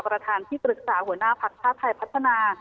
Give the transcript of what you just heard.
ประธานที่ปรึกษาหัวหน้าภักดิ์ชาติไทยพัฒนา